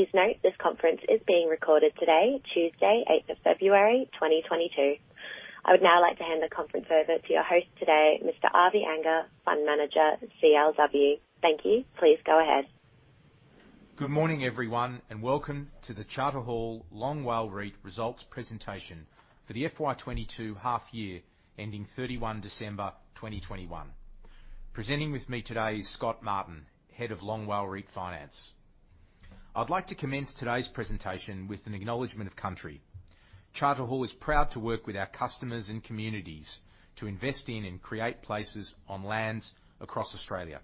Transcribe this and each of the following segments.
Please note this conference is being recorded today, Tuesday, 8th of February, 2022. I would now like to hand the conference over to your host today, Mr. Avi Anger, Fund Manager, CLW. Thank you. Please go ahead. Good morning, everyone, and welcome to the Charter Hall Long WALE REIT results presentation for the FY 2022 half year, ending 31 December 2021. Presenting with me today is Scott Martin, Head of Long WALE REIT Finance. I'd like to commence today's presentation with an acknowledgment of country. Charter Hall is proud to work with our customers and communities to invest in and create places on lands across Australia.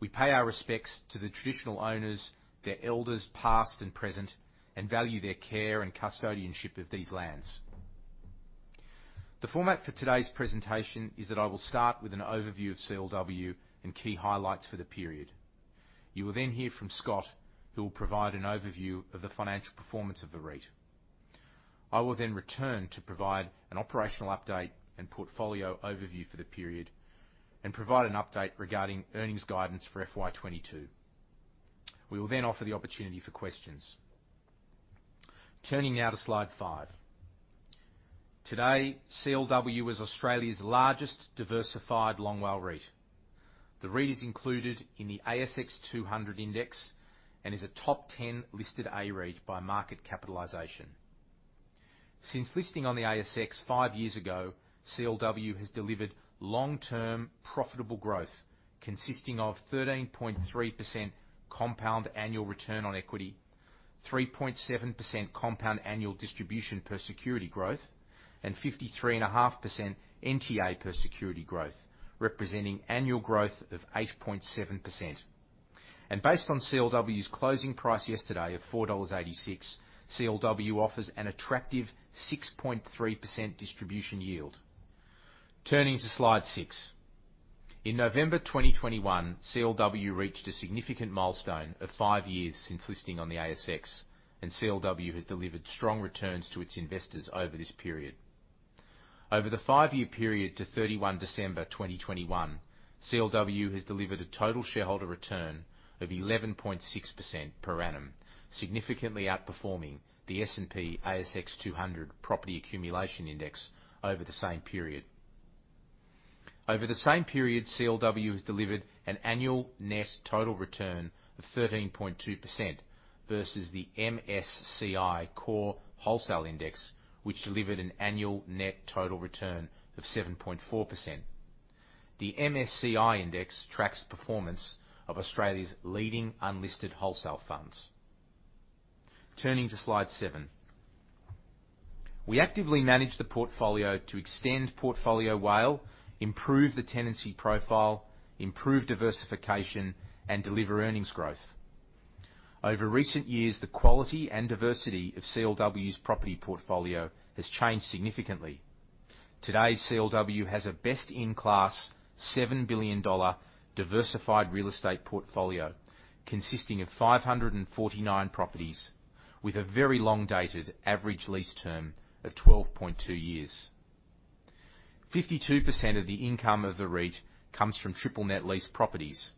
We pay our respects to the traditional owners, their elders past and present, and value their care and custodianship of these lands. The format for today's presentation is that I will start with an overview of CLW and key highlights for the period. You will then hear from Scott, who will provide an overview of the financial performance of the REIT. I will then return to provide an operational update and portfolio overview for the period and provide an update regarding earnings guidance for FY 2022. We will then offer the opportunity for questions. Turning now to slide five. Today, CLW is Australia's largest diversified Long WALE REIT. The REIT is included in the ASX 200 index and is a top 10 listed AREIT by market capitalization. Since listing on the ASX five years ago, CLW has delivered long-term profitable growth consisting of 13.3% compound annual return on equity, 3.7% compound annual distribution per security growth, and 53.5% NTA per security growth, representing annual growth of 8.7%. Based on CLW's closing price yesterday of 4.86 dollars, CLW offers an attractive 6.3% distribution yield. Turning to slide six. In November 2021, CLW reached a significant milestone of five years since listing on the ASX, and CLW has delivered strong returns to its investors over this period. Over the five-year period to 31 December 2021, CLW has delivered a total shareholder return of 11.6% per annum, significantly outperforming the S&P/ASX 200 Property Accumulation Index over the same period. Over the same period, CLW has delivered an annual net total return of 13.2% versus the MSCI Core Wholesale Index, which delivered an annual net total return of 7.4%. The MSCI index tracks performance of Australia's leading unlisted wholesale funds. Turning to slide seven. We actively manage the portfolio to extend portfolio WALE, improve the tenancy profile, improve diversification, and deliver earnings growth. Over recent years, the quality and diversity of CLW's property portfolio has changed significantly. Today, CLW has a best-in-class 7 billion dollar diversified real estate portfolio consisting of 549 properties with a very long dated average lease term of 12.2 years. 52% of the income of the REIT comes from triple net lease properties.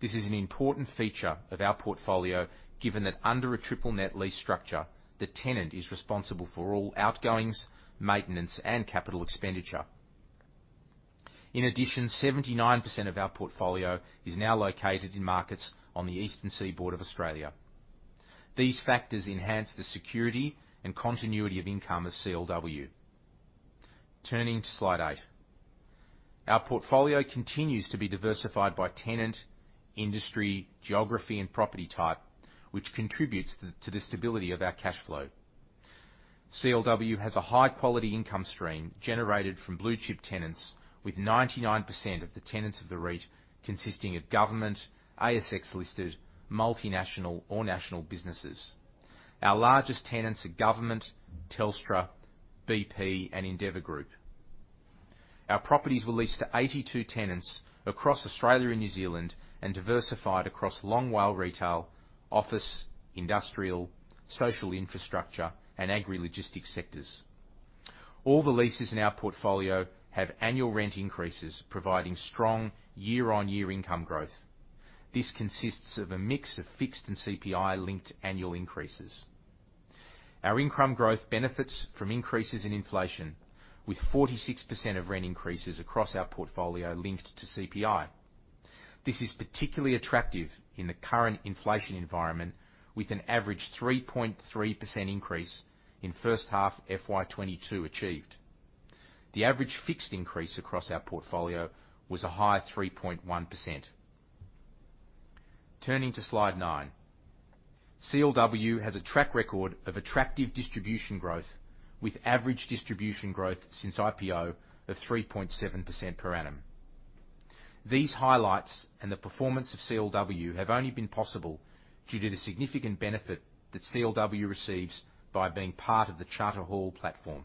This is an important feature of our portfolio, given that under a triple net lease structure, the tenant is responsible for all outgoings, maintenance, and capital expenditure. In addition, 79% of our portfolio is now located in markets on the eastern seaboard of Australia. These factors enhance the security and continuity of income of CLW. Turning to slide eight. Our portfolio continues to be diversified by tenant, industry, geography, and property type, which contributes to the stability of our cash flow. CLW has a high-quality income stream generated from blue-chip tenants with 99% of the tenants of the REIT consisting of government, ASX listed, multinational or national businesses. Our largest tenants are Government, Telstra, BP and Endeavour Group. Our properties were leased to 82 tenants across Australia and New Zealand and diversified across Long WALE retail, office, industrial, social infrastructure, and agri logistics sectors. All the leases in our portfolio have annual rent increases, providing strong year-on-year income growth. This consists of a mix of fixed and CPI-linked annual increases. Our income growth benefits from increases in inflation, with 46% of rent increases across our portfolio linked to CPI. This is particularly attractive in the current inflation environment, with an average 3.3% increase in first half FY 2022 achieved. The average fixed increase across our portfolio was a high 3.1%. Turning to slide nine. CLW has a track record of attractive distribution growth, with average distribution growth since IPO of 3.7% per annum. These highlights and the performance of CLW have only been possible due to the significant benefit that CLW receives by being part of the Charter Hall platform.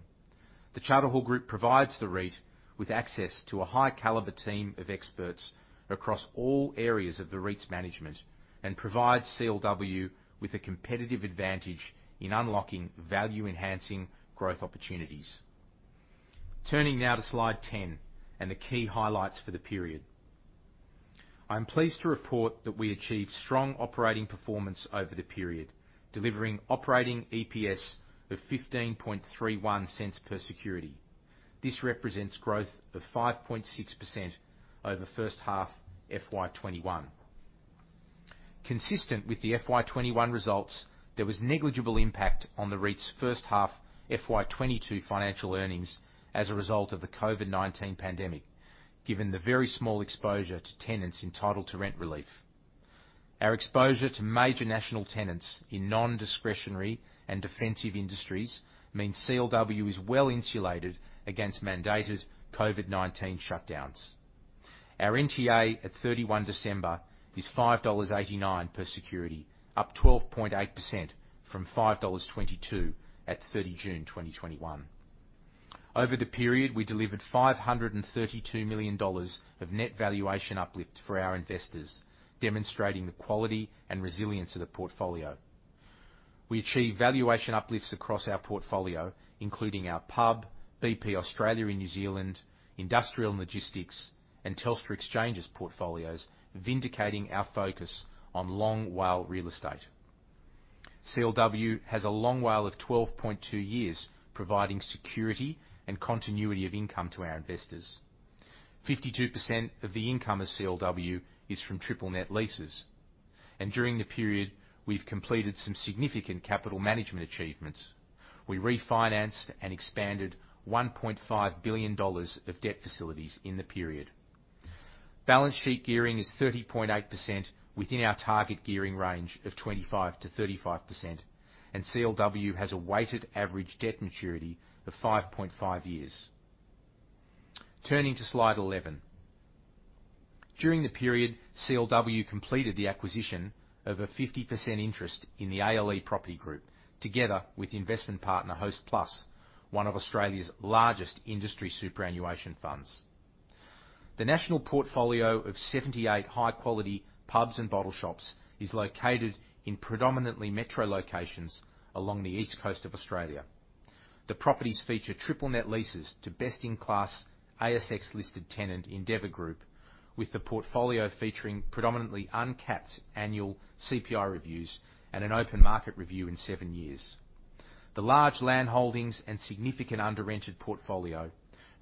The Charter Hall Group provides the REIT with access to a high caliber team of experts across all areas of the REIT's management and provides CLW with a competitive advantage in unlocking value-enhancing growth opportunities. Turning now to slide 10 and the key highlights for the period. I'm pleased to report that we achieved strong operating performance over the period, delivering operating EPS of 0.1531 per security. This represents growth of 5.6% over first half FY 2021. Consistent with the FY 2021 results, there was negligible impact on the REIT's first half FY 2022 financial earnings as a result of the COVID-19 pandemic, given the very small exposure to tenants entitled to rent relief. Our exposure to major national tenants in non-discretionary and defensive industries means CLW is well-insulated against mandated COVID-19 shutdowns. Our NTA at 31 December is AUD 5.89 per security, up 12.8% from AUD 5.22 at 30 June 2021. Over the period, we delivered AUD 532 million of net valuation uplift for our investors, demonstrating the quality and resilience of the portfolio. We achieved valuation uplifts across our portfolio, including our pub, BP Australia and New Zealand, industrial and logistics, and Telstra exchanges portfolios, vindicating our focus on long WALE real estate. CLW has a long WALE of 12.2 years, providing security and continuity of income to our investors. 52% of the income of CLW is from triple net leases, and during the period, we've completed some significant capital management achievements. We refinanced and expanded 1.5 billion dollars of debt facilities in the period. Balance sheet gearing is 30.8%, within our target gearing range of 25%-35%, and CLW has a weighted average debt maturity of 5.5 years. Turning to slide 11. During the period, CLW completed the acquisition of a 50% interest in the ALE Property Group, together with investment partner Hostplus, one of Australia's largest industry superannuation funds. The national portfolio of 78 high-quality pubs and bottle shops is located in predominantly metro locations along the east coast of Australia. The properties feature triple net leases to best-in-class ASX-listed tenant Endeavour Group, with the portfolio featuring predominantly uncapped annual CPI reviews and an open market review in seven years. The large landholdings and significant under-rented portfolio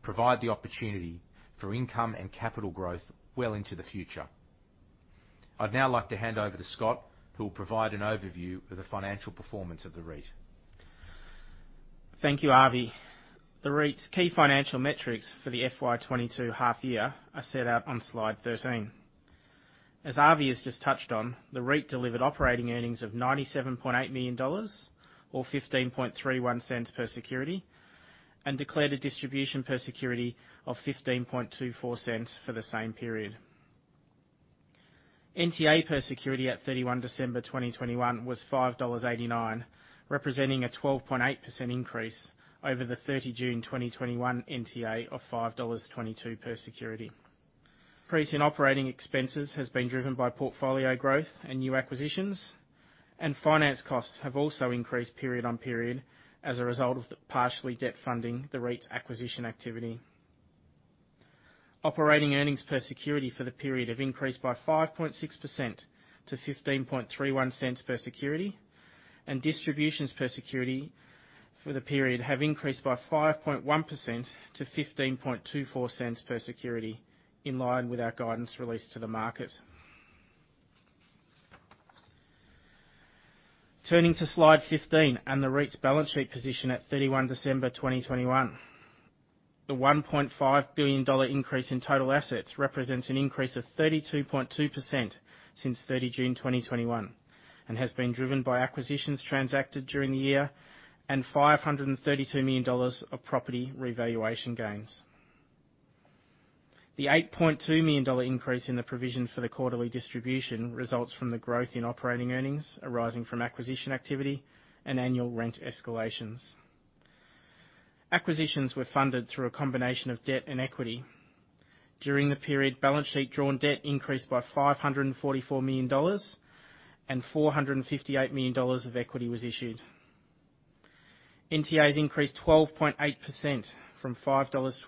provide the opportunity for income and capital growth well into the future. I'd now like to hand over to Scott, who will provide an overview of the financial performance of the REIT. Thank you, Avi. The REIT's key financial metrics for the FY 2022 half year are set out on slide 13. As Avi has just touched on, the REIT delivered operating earnings of 97.8 million dollars or 0.1531 per security, and declared a distribution per security of 0.1524 for the same period. NTA per security at 31 December 2021 was 5.89 dollars, representing a 12.8% increase over the 30 June 2021 NTA of 5.22 dollars per security. Increase in operating expenses has been driven by portfolio growth and new acquisitions, and finance costs have also increased period on period as a result of partially debt funding the REIT's acquisition activity. Operating earnings per security for the period have increased by 5.6% to 0.1531 per security, and distributions per security for the period have increased by 5.1% to 0.1524 per security, in line with our guidance released to the market. Turning to slide 15 and the REIT's balance sheet position at 31 December 2021. The 1.5 billion dollar increase in total assets represents an increase of 32.2% since 30 June 2021, and has been driven by acquisitions transacted during the year and 532 million dollars of property revaluation gains. The 8.2 million dollar increase in the provision for the quarterly distribution results from the growth in operating earnings arising from acquisition activity and annual rent escalations. Acquisitions were funded through a combination of debt and equity. During the period, balance sheet drawn debt increased by 544 million dollars, and 458 million dollars of equity was issued. NTAs increased 12.8% from 5.22 dollars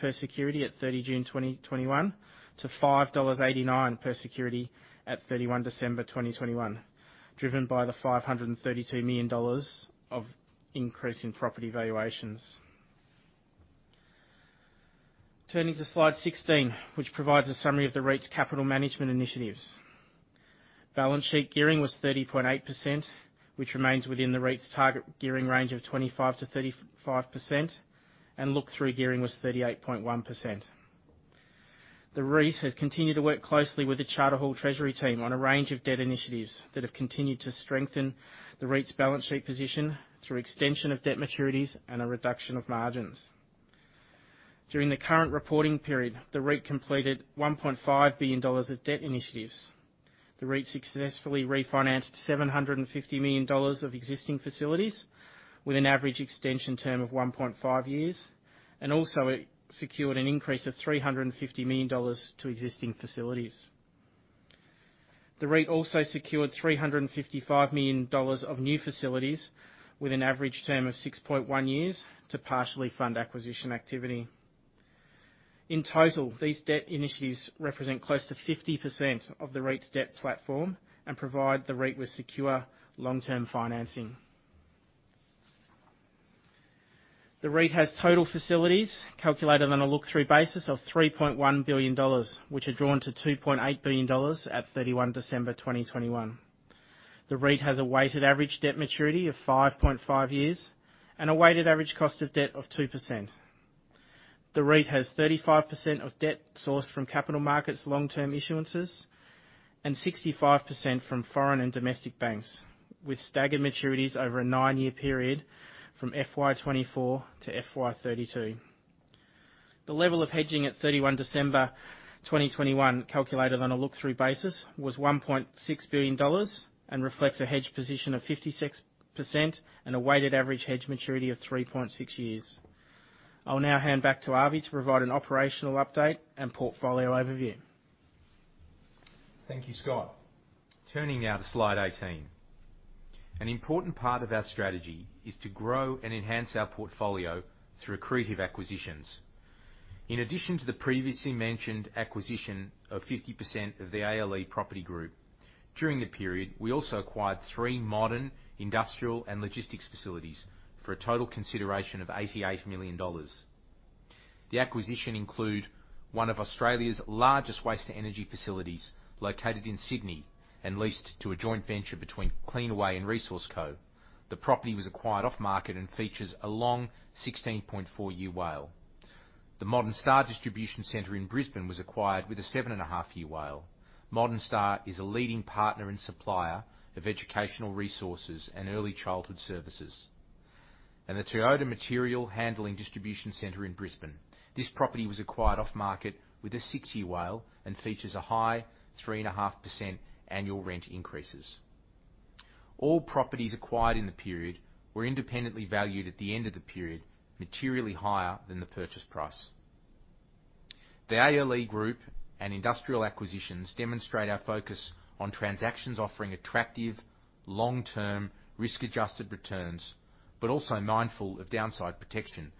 per security at 30 June 2021 to 5.89 dollars per security at 31 December 2021, driven by the 532 million dollars of increase in property valuations. Turning to slide 16, which provides a summary of the REIT's capital management initiatives. Balance sheet gearing was 30.8%, which remains within the REIT's target gearing range of 25%-35%, and look-through gearing was 38.1%. The REIT has continued to work closely with the Charter Hall treasury team on a range of debt initiatives that have continued to strengthen the REIT's balance sheet position through extension of debt maturities and a reduction of margins. During the current reporting period, the REIT completed AUD 1.5 billion of debt initiatives. The REIT successfully refinanced AUD 750 million of existing facilities with an average extension term of 1.5 years, and also secured an increase of 350 million dollars to existing facilities. The REIT also secured 355 million dollars of new facilities with an average term of 6.1 years to partially fund acquisition activity. In total, these debt initiatives represent close to 50% of the REIT's debt platform and provide the REIT with secure long-term financing. The REIT has total facilities calculated on a look-through basis of 3.1 billion dollars, which are drawn to 2.8 billion dollars at 31 December 2021. The REIT has a weighted average debt maturity of 5.5 years and a weighted average cost of debt of 2%. The REIT has 35% of debt sourced from capital markets long-term issuances, and 65% from foreign and domestic banks, with staggered maturities over a nine-year period from FY 2024 to FY 2032. The level of hedging at 31 December 2021, calculated on a look-through basis, was 1.6 billion dollars and reflects a hedge position of 56% and a weighted average hedge maturity of 3.6 years. I'll now hand back to Avi to provide an operational update and portfolio overview. Thank you, Scott. Turning now to slide 18. An important part of our strategy is to grow and enhance our portfolio through accretive acquisitions. In addition to the previously mentioned acquisition of 50% of the ALE Property Group, during the period, we also acquired three modern industrial and logistics facilities for a total consideration of 88 million dollars. The acquisition include one of Australia's largest waste-to-energy facilities located in Sydney and leased to a joint venture between Cleanaway and ResourceCo. The property was acquired off-market and features a long 16.4-year WALE. The Modern Star Distribution Center in Brisbane was acquired with a 7.5-year WALE. Modern Star is a leading partner and supplier of educational resources and early childhood services. The Toyota Material Handling Distribution Center in Brisbane. This property was acquired off-market with a six-year WALE and features a high 3.5% annual rent increases. All properties acquired in the period were independently valued at the end of the period, materially higher than the purchase price. The ALE Property Group and industrial acquisitions demonstrate our focus on transactions offering attractive long-term, risk-adjusted returns, but also mindful of downside protection,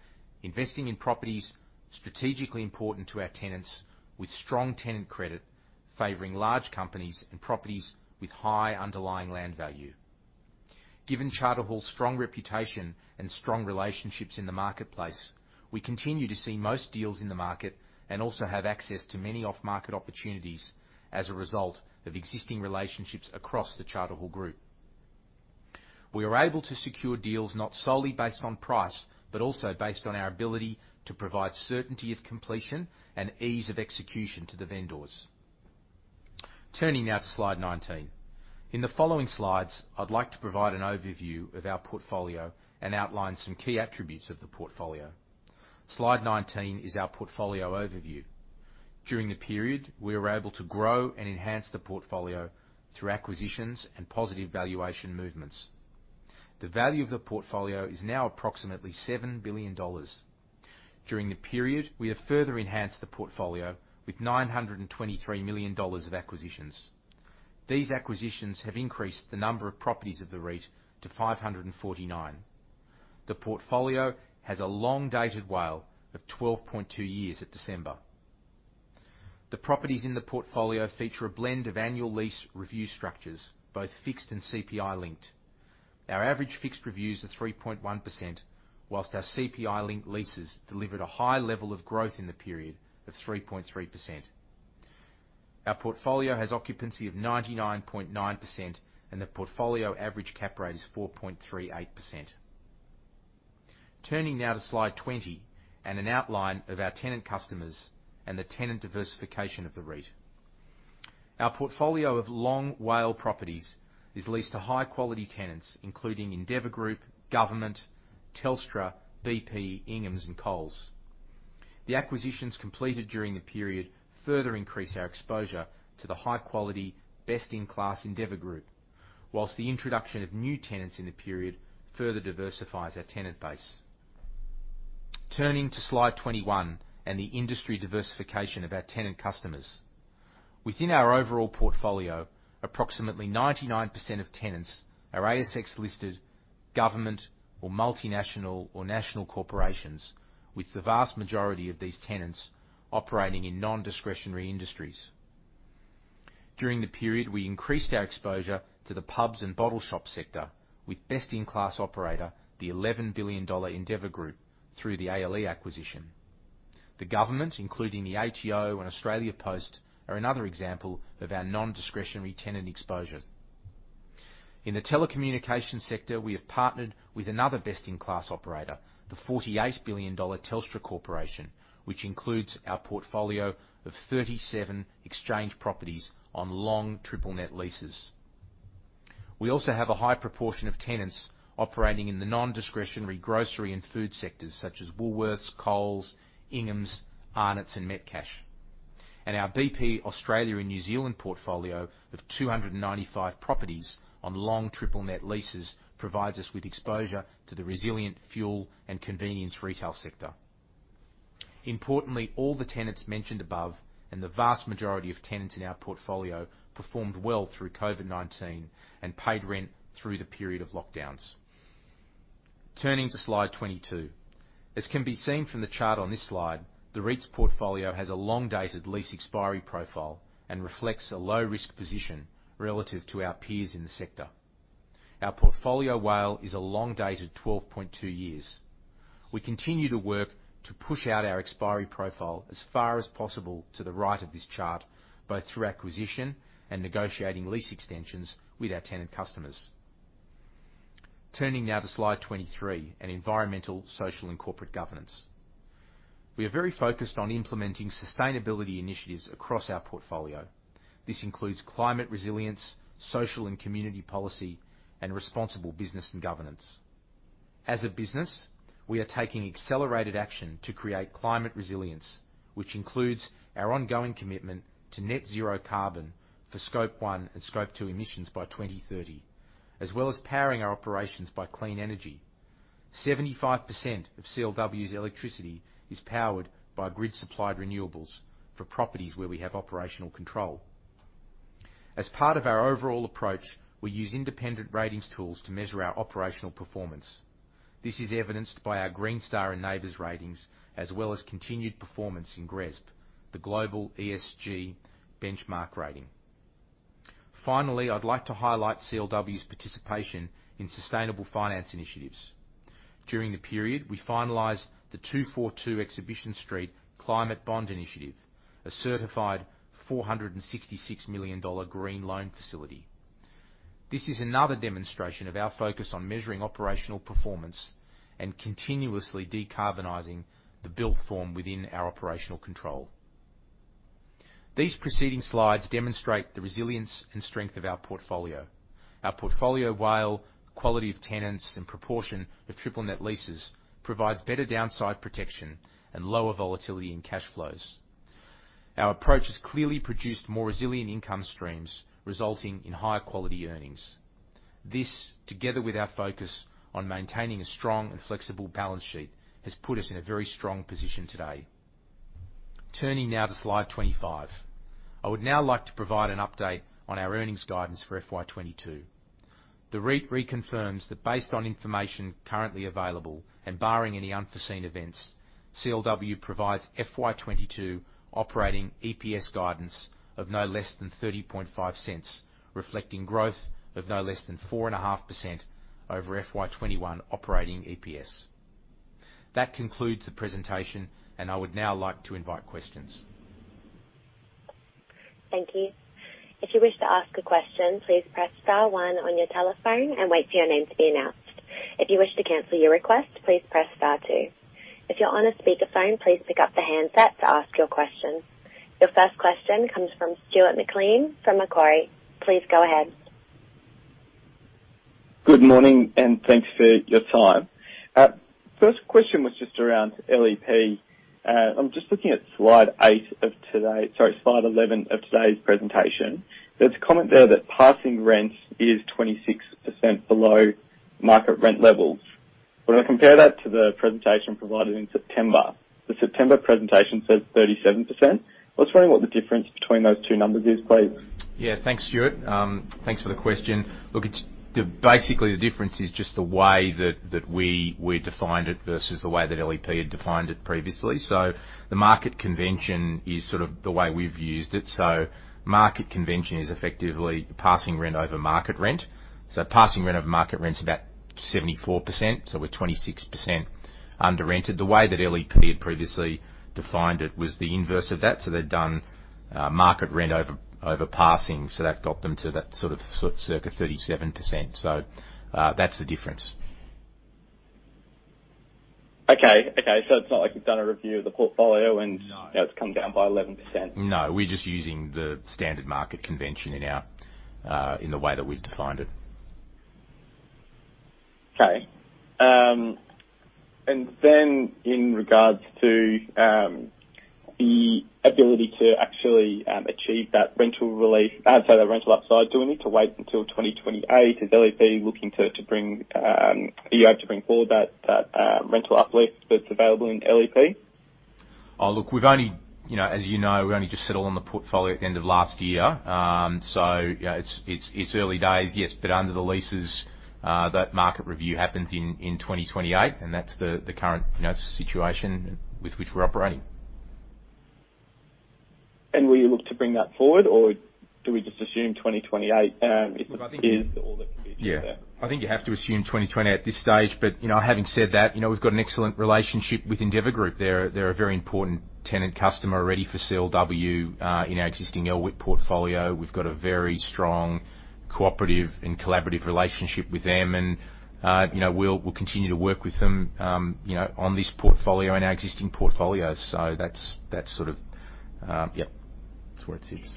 investing in properties strategically important to our tenants with strong tenant credit, favoring large companies and properties with high underlying land value. Given Charter Hall's strong reputation and strong relationships in the marketplace, we continue to see most deals in the market and also have access to many off-market opportunities as a result of existing relationships across the Charter Hall Group. We are able to secure deals not solely based on price, but also based on our ability to provide certainty of completion and ease of execution to the vendors. Turning now to slide 19. In the following slides, I'd like to provide an overview of our portfolio and outline some key attributes of the portfolio. Slide 19 is our portfolio overview. During the period, we were able to grow and enhance the portfolio through acquisitions and positive valuation movements. The value of the portfolio is now approximately 7 billion dollars. During the period, we have further enhanced the portfolio with 923 million dollars of acquisitions. These acquisitions have increased the number of properties of the REIT to 549. The portfolio has a long-dated WALE of 12.2 years at December. The properties in the portfolio feature a blend of annual lease review structures, both fixed and CPI linked. Our average fixed reviews are 3.1%, while our CPI linked leases delivered a high level of growth in the period of 3.3%. Our portfolio has occupancy of 99.9%, and the portfolio average cap rate is 4.38%. Turning now to slide 20 and an outline of our tenant customers and the tenant diversification of the REIT. Our portfolio of long WALE properties is leased to high-quality tenants, including Endeavour Group, Government, Telstra, BP, Inghams, and Coles. The acquisitions completed during the period further increase our exposure to the high-quality, best-in-class Endeavour Group, while the introduction of new tenants in the period further diversifies our tenant base. Turning to slide 21 and the industry diversification of our tenant customers. Within our overall portfolio, approximately 99% of tenants are ASX-listed government or multinational or national corporations, with the vast majority of these tenants operating in non-discretionary industries. During the period, we increased our exposure to the pubs and bottle shop sector with best-in-class operator, the 11 billion dollar Endeavour Group, through the ALE acquisition. The government, including the ATO and Australia Post, are another example of our non-discretionary tenant exposure. In the telecommunications sector, we have partnered with another best-in-class operator, the AUD 48 billion Telstra Corporation, which includes our portfolio of 37 exchange properties on long triple net leases. We also have a high proportion of tenants operating in the non-discretionary grocery and food sectors such as Woolworths, Coles, Inghams, Arnott's, and Metcash. Our BP Australia and New Zealand portfolio of 295 properties on long triple net leases provides us with exposure to the resilient fuel and convenience retail sector. Importantly, all the tenants mentioned above and the vast majority of tenants in our portfolio performed well through COVID-19 and paid rent through the period of lockdowns. Turning to slide 22. As can be seen from the chart on this slide, the REIT's portfolio has a long date of lease expiry profile and reflects a low-risk position relative to our peers in the sector. Our portfolio WALE is a long date of 12.2 years. We continue to work to push out our expiry profile as far as possible to the right of this chart, both through acquisition and negotiating lease extensions with our tenant customers. Turning now to slide 23, and environmental, social, and governance. We are very focused on implementing sustainability initiatives across our portfolio. This includes climate resilience, social and community policy, and responsible business and governance. As a business, we are taking accelerated action to create climate resilience, which includes our ongoing commitment to net zero carbon for Scope 1 and Scope 2 emissions by 2030, as well as powering our operations by clean energy. 75% of CLW's electricity is powered by grid-supplied renewables for properties where we have operational control. As part of our overall approach, we use independent ratings tools to measure our operational performance. This is evidenced by our Green Star and NABERS ratings, as well as continued performance in GRESB, the global ESG benchmark rating. Finally, I'd like to highlight CLW's participation in sustainable finance initiatives. During the period, we finalized the 242 Exhibition Street Climate Bond initiative, a certified 466 million dollar Green Loan facility. This is another demonstration of our focus on measuring operational performance and continuously decarbonizing the built form within our operational control. These preceding slides demonstrate the resilience and strength of our portfolio. Our portfolio WALE, quality of tenants, and proportion of triple net leases provides better downside protection and lower volatility in cash flows. Our approach has clearly produced more resilient income streams, resulting in higher quality earnings. This, together with our focus on maintaining a strong and flexible balance sheet, has put us in a very strong position today. Turning now to slide 25. I would now like to provide an update on our earnings guidance for FY 2022. The REIT reconfirms that based on information currently available, and barring any unforeseen events, CLW provides FY 2022 operating EPS guidance of no less than 0.305, reflecting growth of no less than 4.5% over FY 2021 operating EPS. That concludes the presentation, and I would now like to invite questions. Thank you. If you wish to ask a question, please press star one on your telephone and wait for your name to be announced. If you wish to cancel your request, please press star two. If you're on a speakerphone, please pick up the handset to ask your question. Your first question comes from Stuart McLean from Macquarie. Please go ahead. Good morning, and thanks for your time. First question was just around LEP. I'm just looking, sorry, at slide 11 of today's presentation. There's a comment there that passing rents is 26% below market rent levels. When I compare that to the presentation provided in September, the September presentation says 37%. I was wondering what the difference between those two numbers is, please. Yeah. Thanks, Stuart. Thanks for the question. Look, basically, the difference is just the way that we defined it versus the way that LEP had defined it previously. The market convention is sort of the way we've used it. Market convention is effectively passing rent over market rent. Passing rent over market rent is about 74%, so we're 26% under rented. The way that LEP had previously defined it was the inverse of that, so they'd done market rent over passing, so that got them to that sort of 37%. That's the difference. Okay. It's not like you've done a review of the portfolio and. No. Now it's come down by 11%. No, we're just using the standard market convention in our, in the way that we've defined it. Okay. In regards to the ability to actually achieve that rental relief—sorry, that rental upside, do we need to wait until 2028? Is LEP looking to bring, are you able to bring forward that rental uplift that's available in LEP? Oh, look, we've only, you know, as you know, we only just settled on the portfolio at the end of last year. You know, it's early days, yes. Under the leases, that market review happens in 2028, and that's the current, you know, situation with which we're operating. Will you look to bring that forward, or do we just assume 2028? Look, I think you. is all that can be assumed there. Yeah. I think you have to assume 2028 at this stage. You know, having said that, you know, we've got an excellent relationship with Endeavour Group. They're a very important tenant customer already for CLW in our existing ALH portfolio. We've got a very strong cooperative and collaborative relationship with them and, you know, we'll continue to work with them, you know, on this portfolio and our existing portfolios. That's sort of. Yeah. That's where it sits.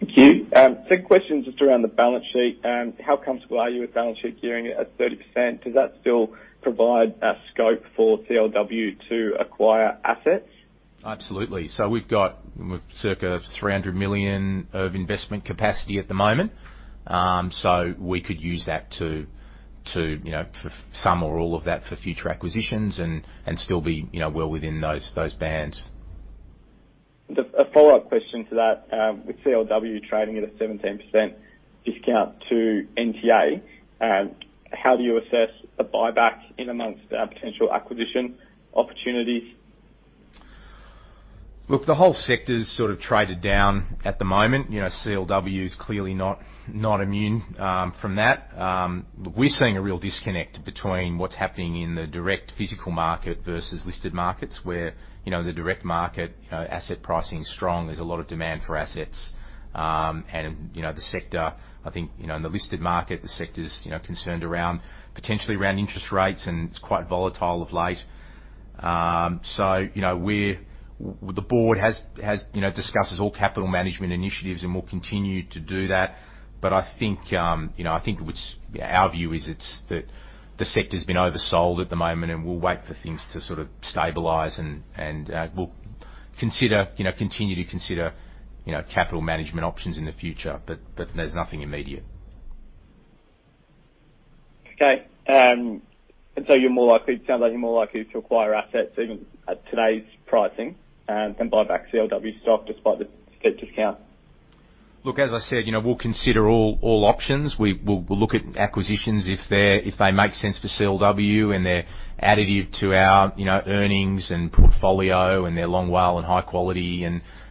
Thank you. Second question just around the balance sheet. How comfortable are you with balance sheet gearing at 30%? Does that still provide scope for CLW to acquire assets? Absolutely. We've got circa 300 million of investment capacity at the moment. We could use that to, you know, fund some or all of that for future acquisitions and still be, you know, well within those bands. Just a follow-up question to that. With CLW trading at a 17% discount to NTA, how do you assess a buyback in among our potential acquisition opportunities? Look, the whole sector's sort of traded down at the moment. You know, CLW is clearly not immune from that. We're seeing a real disconnect between what's happening in the direct physical market versus listed markets where, you know, the direct market, you know, asset pricing is strong. There's a lot of demand for assets. The sector, I think, you know, in the listed market, the sector's you know concerned around potentially interest rates, and it's quite volatile of late. You know, the board has discussed all capital management initiatives, and we'll continue to do that. I think, you know, I think what's our view is it's that the sector's been oversold at the moment, and we'll wait for things to sort of stabilize and we'll consider, you know, continue to consider, you know, capital management options in the future. But there's nothing immediate. It sounds like you're more likely to acquire assets even at today's pricing than buy back CLW stock despite the sector discount. Look, as I said, you know, we'll consider all options. We'll look at acquisitions if they're, if they make sense for CLW, and they're additive to our, you know, earnings and portfolio, and they're Long WALE and high quality.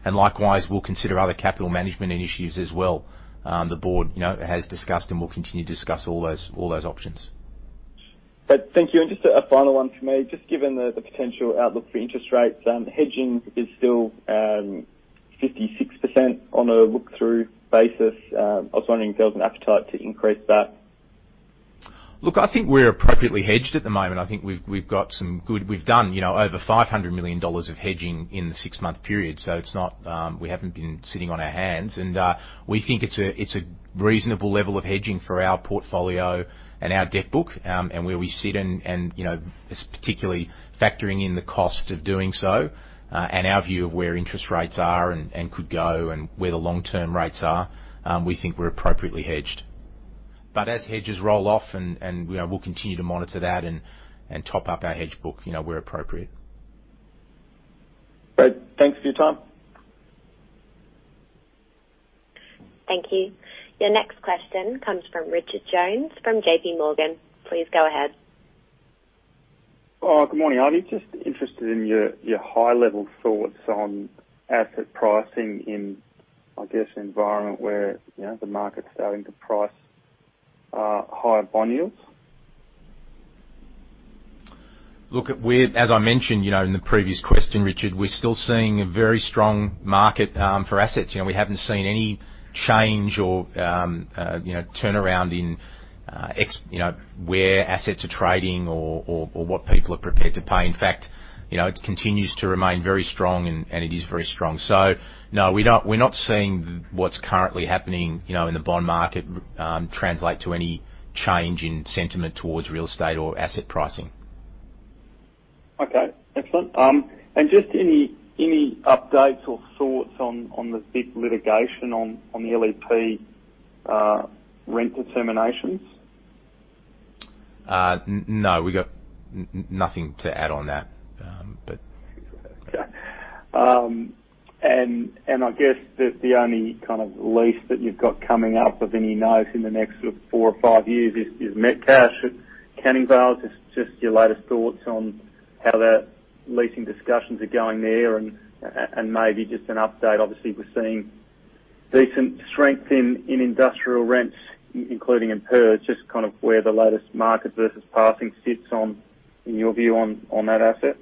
Likewise, we'll consider other capital management initiatives as well. The board, you know, has discussed and will continue to discuss all those options. Great. Thank you. Just a final one from me. Just given the potential outlook for interest rates, hedging is still 56% on a look-through basis. I was wondering if there was an appetite to increase that. Look, I think we're appropriately hedged at the moment. I think we've done you know over 500 million dollars of hedging in the six-month period. It's not. We haven't been sitting on our hands. We think it's a reasonable level of hedging for our portfolio and our debt book and where we sit and you know just particularly factoring in the cost of doing so and our view of where interest rates are and could go and where the long-term rates are. We think we're appropriately hedged. As hedges roll off and you know we'll continue to monitor that and top up our hedge book you know where appropriate. Great. Thanks for your time. Thank you. Your next question comes from Richard Jones from JPMorgan. Please go ahead. Good morning. I'm just interested in your high-level thoughts on asset pricing in, I guess, environment where, you know, the market's starting to price higher bond yields. Look, as I mentioned, you know, in the previous question, Richard, we're still seeing a very strong market for assets. You know, we haven't seen any change or, you know, turnaround in, you know, where assets are trading or what people are prepared to pay. In fact, you know, it continues to remain very strong, and it is very strong. No, we don't, we're not seeing what's currently happening, you know, in the bond market translate to any change in sentiment towards real estate or asset pricing. Okay. Excellent. Just any updates or thoughts on the big litigation on the LEP rent determinations? No, we got nothing to add on that. But Okay. I guess the only kind of lease that you've got coming up of any note in the next four or five years is Metcash at Canning Vale. Just your latest thoughts on how that leasing discussions are going there and maybe just an update. Obviously, we're seeing decent strength in industrial rents, including in Perth. Just kind of where the latest market versus passing sits, in your view, on that asset.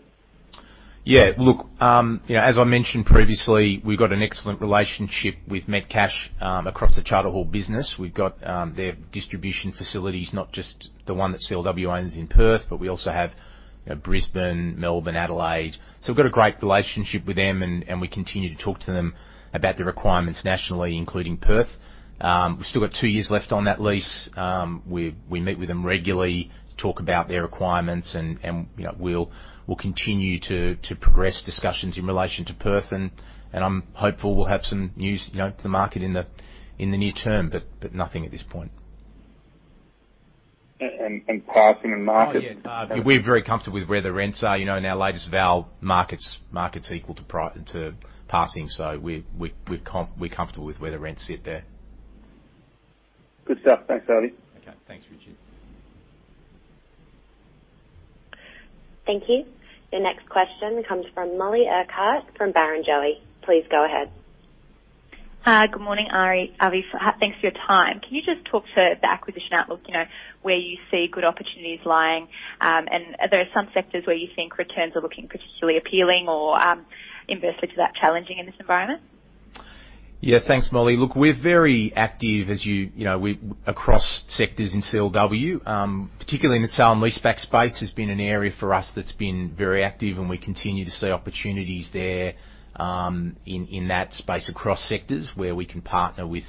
Yeah. Look, you know, as I mentioned previously, we've got an excellent relationship with Metcash, across the Charter Hall business. We've got their distribution facilities, not just the one that CLW owns in Perth, but we also have, you know, Brisbane, Melbourne, Adelaide. We've got a great relationship with them, and we continue to talk to them about their requirements nationally, including Perth. We've still got two years left on that lease. We meet with them regularly, talk about their requirements and, you know, we'll continue to progress discussions in relation to Perth and I'm hopeful we'll have some news, you know, to the market in the near term, but nothing at this point. pricing and market- Oh, yeah. We're very comfortable with where the rents are. You know, in our latest val, market's equal to passing. We're comfortable with where the rents sit there. Good stuff. Thanks, Avi. Okay. Thanks, Richard. Thank you. Your next question comes from Mollie Urquhart from Barrenjoey. Please go ahead. Hi. Good morning, Avi. Thanks for your time. Can you just talk to the acquisition outlook, you know, where you see good opportunities lying? Are there some sectors where you think returns are looking particularly appealing or, inversely to that, challenging in this environment? Yeah, thanks, Mollie. Look, we're very active as you know across sectors in CLW, particularly in the sale and leaseback space has been an area for us that's been very active, and we continue to see opportunities there. In that space across sectors where we can partner with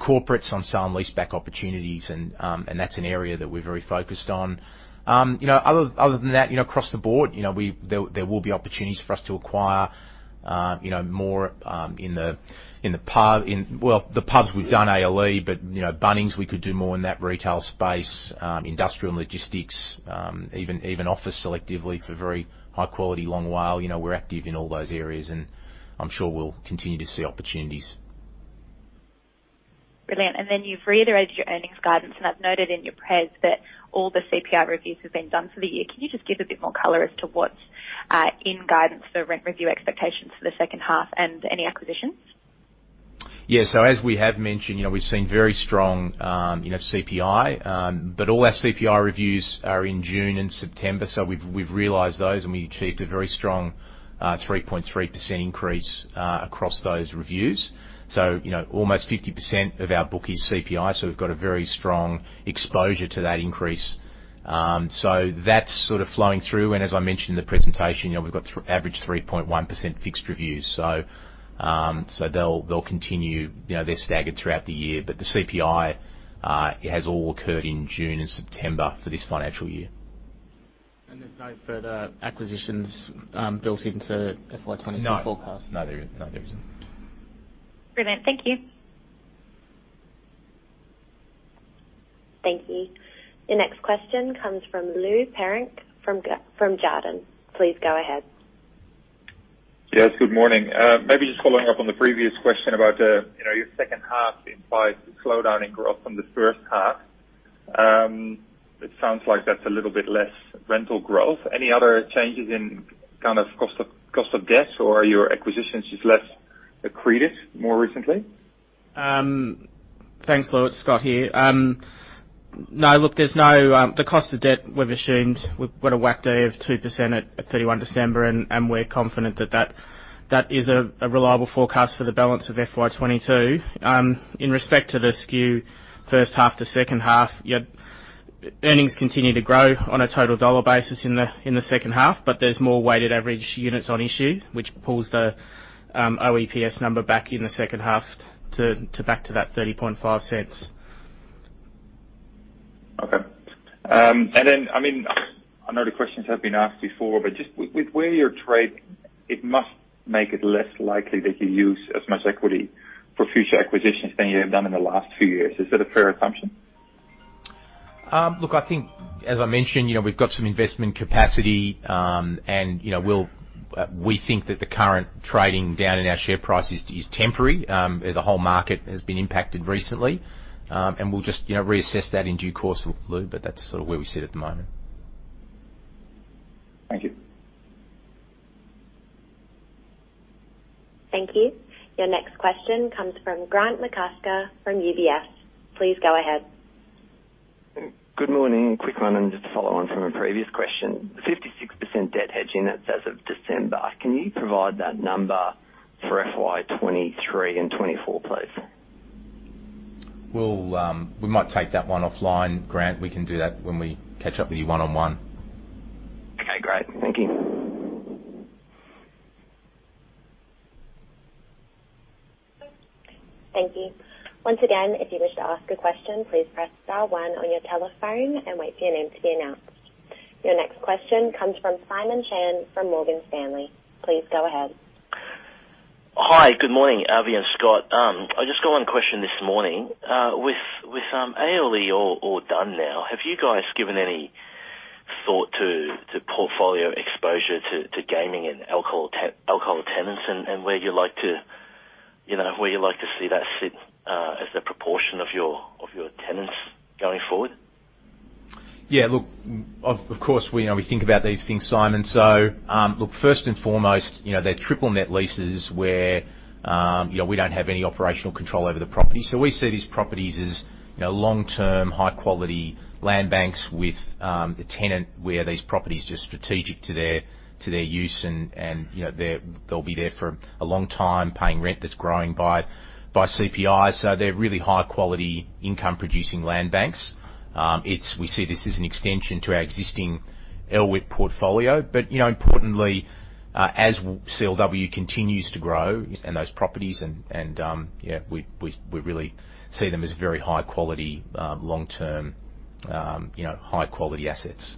corporates on sale and leaseback opportunities, and that's an area that we're very focused on. You know, other than that, across the board, you know, there will be opportunities for us to acquire more in the pubs. Well, the pubs we've done ALE, but, you know, Bunnings, we could do more in that retail space. Industrial and logistics, even office selectively for very high quality long WALE. You know, we're active in all those areas, and I'm sure we'll continue to see opportunities. Brilliant. Then you've reiterated your earnings guidance, and I've noted in your press that all the CPI reviews have been done for the year. Can you just give a bit more color as to what's in guidance for rent review expectations for the second half and any acquisitions? Yeah. As we have mentioned, you know, we've seen very strong CPI, but all our CPI reviews are in June and September. We've realized those, and we achieved a very strong 3.3% increase across those reviews. You know, almost 50% of our book is CPI, so we've got a very strong exposure to that increase. That's sort of flowing through, and as I mentioned in the presentation, you know, we've got average 3.1% fixed reviews. They'll continue. You know, they're staggered throughout the year. The CPI it has all occurred in June and September for this financial year. There's no further acquisitions built into FY 2022 forecast? No. No, there is. No, there isn't. Brilliant. Thank you. Thank you. The next question comes from Lou Pirenc from Jarden. Please go ahead. Yes, good morning. Maybe just following up on the previous question about your second half implies a slowdown in growth from the first half. It sounds like that's a little bit less rental growth. Any other changes in kind of cost of debt or your acquisitions is less accreted more recently? Thanks, Lou. It's Scott here. No, look, there's no. The cost of debt we've assumed, we've got a WACD of 2% at 31 December, and we're confident that that is a reliable forecast for the balance of FY 2022. In respect to the skew first half to second half, yeah, earnings continue to grow on a total dollar basis in the second half, but there's more weighted average units on issue, which pulls the OEPS number back in the second half to back to that 0.305. Okay. I mean, I know the questions have been asked before, but just with where you're trading, it must make it less likely that you use as much equity for future acquisitions than you have done in the last few years. Is that a fair assumption? Look, I think as I mentioned, you know, we've got some investment capacity, and, you know, we'll we think that the current trading down in our share price is temporary. The whole market has been impacted recently. We'll just, you know, reassess that in due course, Lou, but that's sort of where we sit at the moment. Thank you. Thank you. Your next question comes from Grant McCasker from UBS. Please go ahead. Good morning. Quick one, just to follow on from a previous question. 56% debt hedging as of December. Can you provide that number for FY 2023 and 2024, please? Well, we might take that one offline, Grant. We can do that when we catch up with you one-on-one. Okay, great. Thank you. Thank you. Once again, if you wish to ask a question, please press star one on your telephone and wait for your name to be announced. Your next question comes from Simon Chan from Morgan Stanley. Please go ahead. Hi. Good morning, Avi and Scott. I just got one question this morning. With ALE all done now, have you guys given any thought to portfolio exposure to gaming and alcohol tenants and where you like to, you know, where you like to see that sit as a proportion of your tenants going forward? Yeah, look, of course, we, you know, we think about these things, Simon. Look, first and foremost, you know, they're triple net leases where, you know, we don't have any operational control over the property. We see these properties as, you know, long-term, high quality land banks with a tenant where these properties are strategic to their use and, you know, they'll be there for a long time paying rent that's growing by CPI. They're really high quality income producing land banks. We see this as an extension to our existing CLW portfolio, but, you know, importantly, as CLW continues to grow and those properties and, yeah, we really see them as very high quality, long-term, you know, high quality assets.